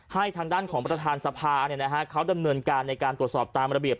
ทางด้านของประธานสภาเขาดำเนินการในการตรวจสอบตามระเบียบ